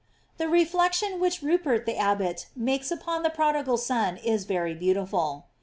The reflection which Rupert the abbot makes upon the prodigal son is very beauti ful.